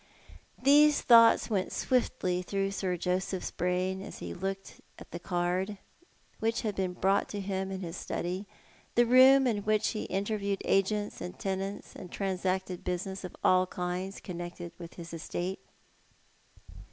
These thoughts went swiftly through Sir Joseph's brain as he looked at the card, which had been brought to him in his study — the room in which he interviewed agents and tenants, and transacted business of all kinds connected with his estate.